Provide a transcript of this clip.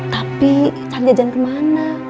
tapi cari jajan kemana